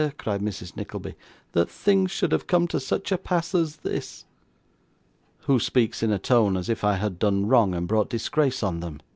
cried Mrs. Nickleby, 'that things should have come to such a pass as this!' 'Who speaks in a tone, as if I had done wrong, and brought disgrace on them?